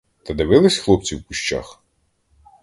Та дивились хлопці в кущах?